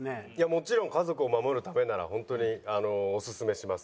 もちろん家族を守るためならホントにおすすめします。